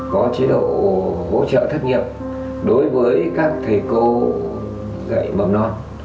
có chế độ hỗ trợ thất nghiệp đối với các thầy cô dạy mầm non